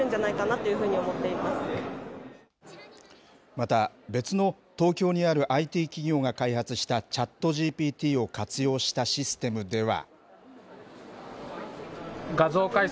また、別の東京にあるＩＴ企業が開発したＣｈａｔＧＰＴを活用したシステムでは。